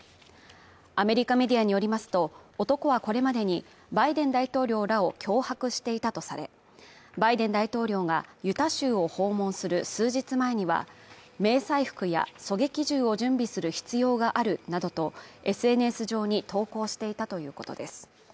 アメリカメディアによりますと男はこれまでにバイデン大統領らを脅迫していたとされバイデン大統領がユタ州を訪問する数日前には迷彩服や狙撃銃を準備する必要があるなどとＳＮＳ上に投稿していたということです